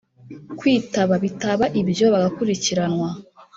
kwitaba bitaba ibyo bagakurikiranwa